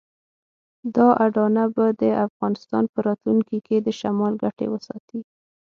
دا اډانه به د افغانستان په راتلونکي کې د شمال ګټې وساتي.